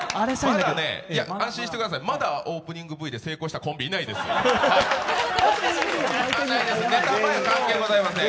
安心してください、まだオープニングＶで成功したコンビはいません。